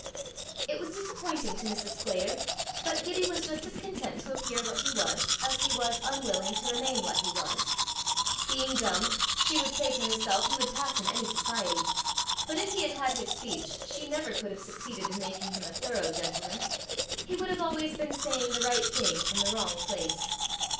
It was disappointing to Mrs. Sclater, but Gibbie was just as content to appear what he was, as he was unwilling to remain what he was. Being dumb, she would say to herself he would pass in any society; but if he had had his speech, she never could have succeeded in making him a thorough gentleman: he would have always been saying the right thing in the wrong place.